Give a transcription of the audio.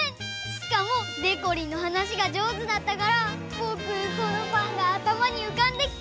しかもでこりんのはなしがじょうずだったからぼくそのパンがあたまにうかんできたよ！